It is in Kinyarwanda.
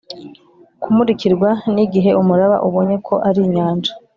kumurikirwa ni igihe umuraba ubonye ko ari inyanja.